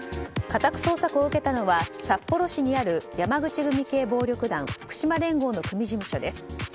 家宅捜索を受けたのは札幌市にある山口組系暴力団福島連合の組事務所です。